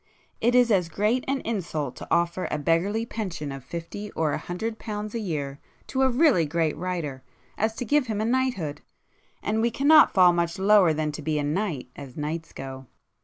It is as great an insult to offer a beggarly pension of fifty or a hundred pounds a year to a really great writer as to give him a knighthood,—and we cannot fall much lower than to be a knight, as knights go.